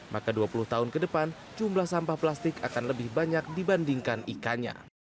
maka dua puluh tahun ke depan jumlah sampah plastik akan lebih banyak dibandingkan ikannya